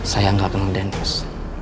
saya gak kenal dennis